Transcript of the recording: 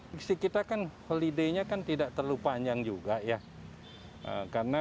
sisi kita kan holiday nya tidak terlalu panjang juga ya